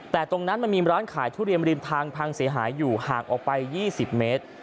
แต่ตรงนั้นมันมีร้านขายทุเรียนริมทางพังเสียหายอยู่ห่างออกไป๒๐เมตร